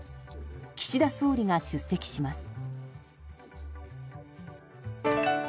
岸田総理が出席します。